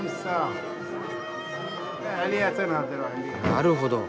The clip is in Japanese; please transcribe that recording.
なるほど。